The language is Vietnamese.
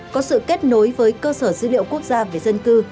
có sự kết nối với cơ sở dữ liệu quốc gia về dân cư